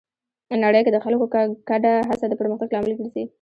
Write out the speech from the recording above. نړۍ کې د خلکو ګډه هڅه د پرمختګ لامل ګرځي.